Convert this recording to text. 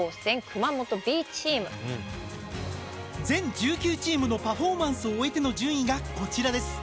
全１９チームのパフォーマンスを終えての順位がこちらです。